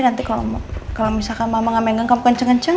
nanti kalau misalkan mama gak menganggap kamu kenceng kenceng